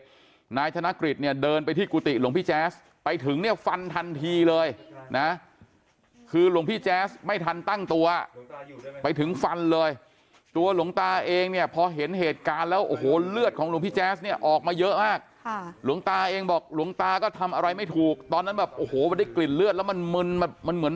นายธนกฤษเนี่ยเดินไปที่กุฏิหลวงพี่แจ๊สไปถึงเนี่ยฟันทันทีเลยนะคือหลวงพี่แจ๊สไม่ทันตั้งตัวไปถึงฟันเลยตัวหลวงตาเองเนี่ยพอเห็นเหตุการณ์แล้วโอ้โหเลือดของหลวงพี่แจ๊สเนี่ยออกมาเยอะมากค่ะหลวงตาเองบอกหลวงตาก็ทำอะไรไม่ถูกตอนนั้นแบบโอ้โหได้กลิ่นเลือดแล้วมันมึนแบบมันเหมือน